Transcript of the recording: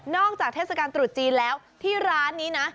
จากเทศกาลตรุษจีนแล้วที่ร้านนี้นะ